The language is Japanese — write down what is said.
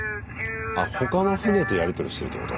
他の船とやり取りしてるってこと？